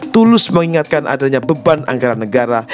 tulus mengingatkan adanya beban anggaran negara